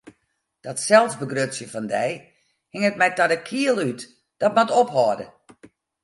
Dat selsbegrutsjen fan dy hinget my ta de kiel út, dat moat ophâlde!